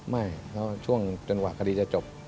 ไม่เพราะช่วงจนกว่าคดีจะจบ